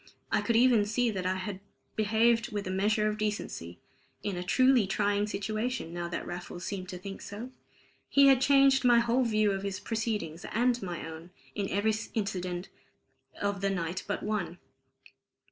I could even see that I had behaved with a measure of decency, in a truly trying situation, now that Raffles seemed to think so. He had changed my whole view of his proceedings and my own, in every incident of the night but one.